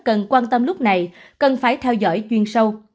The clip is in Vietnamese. cần quan tâm lúc này cần phải theo dõi chuyên sâu